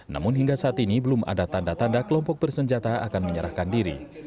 namun hingga saat ini belum ada tanda tanda kelompok bersenjata akan menyerahkan diri